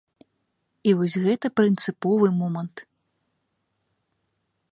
І вось гэта прынцыповы момант.